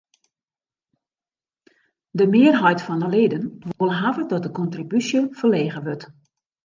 De mearheid fan de leden wol hawwe dat de kontribúsje ferlege wurdt.